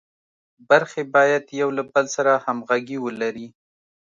برخې باید یو له بل سره همغږي ولري.